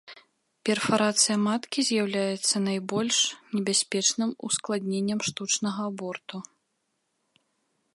Перфарацыя маткі з'яўляецца найбольш небяспечным ускладненнем штучнага аборту.